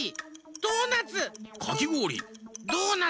ドーナツ。